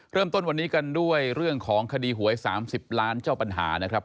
เริ่มต้นวันนี้กันด้วยเรื่องของคดีหวย๓๐ล้านเจ้าปัญหานะครับ